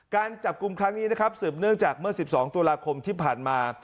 การจับกลุ่มครั้งนี้นะครับสืบเนื่องจากเมื่อ๑๒ตุลาคมที่ผ่านมา